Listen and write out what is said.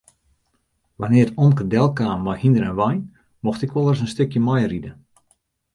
Wannear't omke delkaam mei hynder en wein mocht ik wolris in stikje meiride.